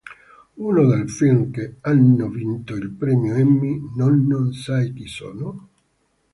Uno dei film che hanno vinto il premio Emmy, "Nonno, sai chi sono?